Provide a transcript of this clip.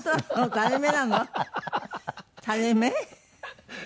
垂れ目？